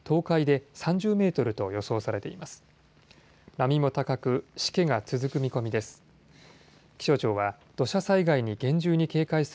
波も高くしけが続く見込みです。